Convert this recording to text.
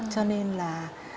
cho nên là